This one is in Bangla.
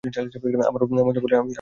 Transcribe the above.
আমার মন যা বলে আমি স্রেফ তাইই করব।